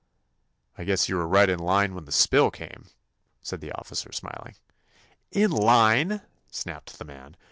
"Guess you were right in line when the spill came," said the officer, smil ing. "In line!" snapped the man.